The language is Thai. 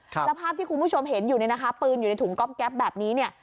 แล้วภาพที่คุณผู้ชมเห็นอยู่เนี่ยนะคะปืนอยู่ในถุงก๊อบแก๊ปแบบนี้เนี่ย